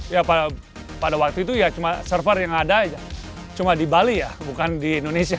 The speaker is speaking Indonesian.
ya pada waktu itu ya cuma server yang ada cuma di bali ya bukan di indonesia